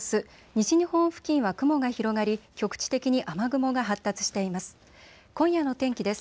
西日本付近は雲が広がり局地的に雨雲が発達しています。